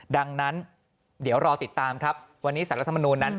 ดังนั้นเดี๋ยวรอติดตามครับวันนี้สารรัฐมนูลนั้น